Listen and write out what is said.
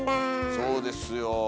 そうですよ。